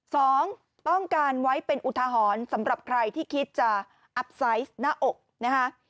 สองต้องการไว้เป็นอุทหรณ์สำหรับใครที่คิดจะอัพไซส์หน้าอกนะคะ